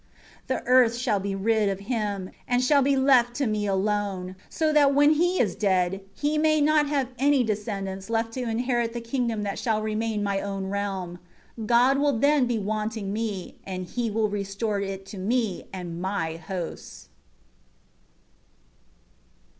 8 The earth shall be rid of him; and shall be left to me alone; so that when he is dead he may not have any descendants left to inherit the kingdom that shall remain my own realm; God will then be wanting me, and He will restore it to me and my hosts."